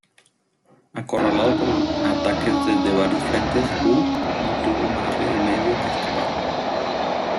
Acorralado por ataques desde varios frentes, Wu no tuvo más remedio que escapar.